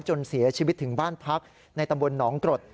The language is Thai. จนเสียชีวิตถึงบ้านพักในตำบลหนองกรด